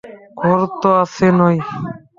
ঘর তো কাছে নয়।